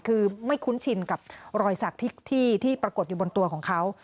คือไม่คุ้นชินกับรอยสักที่ปรากฏอยู่บนตัวของเขา